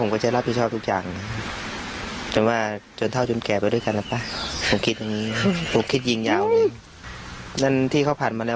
คือ